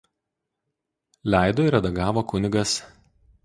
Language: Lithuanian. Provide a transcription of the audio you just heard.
Leido ir redagavo kun.